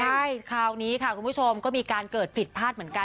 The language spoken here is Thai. ใช่คราวนี้ค่ะคุณผู้ชมก็มีการเกิดผิดพลาดเหมือนกัน